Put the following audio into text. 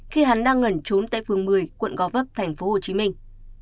khi hắn đang ngẩn trốn tại phường một mươi quận gò vấp thành phố hồ chí minh